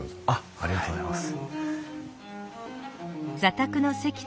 ありがとうございます。